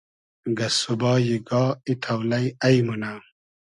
گئسسوبای گا ای تۆلݷ اݷ مونۂ